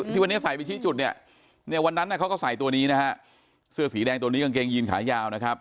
ที่วันนี้ใส่ไปชี้จุดเนี่ยวันนั้นเขาก็ใส่ตัวนี้นะฮะเสื้อสีแดงตัวนี้กางเกงยีนขายาวนะครับ